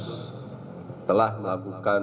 telah melakukan penyidikan pejaksaan agung